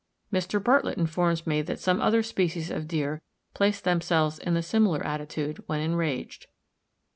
Mr. Bartlett informs me that some other species of deer place themselves in the same attitude when enraged.